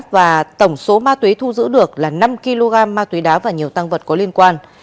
và tổng số ma túy thu giữ được là năm kg ma túy đá và nhiều tăng vật có liên quan